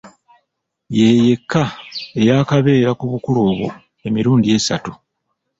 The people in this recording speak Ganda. Ye yekka eyaakabeera ku bukulu obwo emirundi esatu.